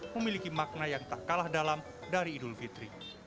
memiliki makna yang tak kalah dalam dari idul fitri